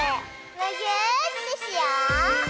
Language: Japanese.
むぎゅーってしよう！